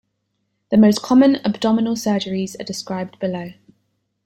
The most common abdominal surgeries are described below.